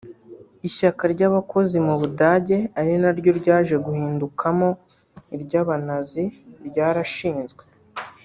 Ishyaka ry’abakozi mu Budage ari naryo ryaje guhindukamo iry’abanazi ryarashinzwe